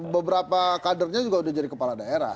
beberapa kadernya juga udah jadi kepala daerah